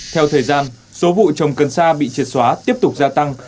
theo thời gian số vụ trồng cần sa bị triệt xóa tiếp tục gia tăng